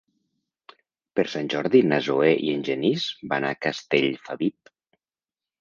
Per Sant Jordi na Zoè i en Genís van a Castellfabib.